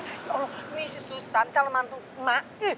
ya allah ini si susan salman mantu ma